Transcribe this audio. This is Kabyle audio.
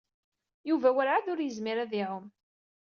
Yuba werɛad ur yezmir ad iɛum.